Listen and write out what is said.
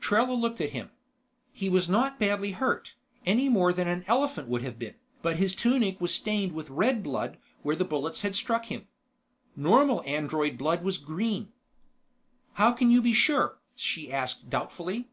Trella looked at him. He was not badly hurt, any more than an elephant would have been, but his tunic was stained with red blood where the bullets had struck him. Normal android blood was green. "How can you be sure?" she asked doubtfully.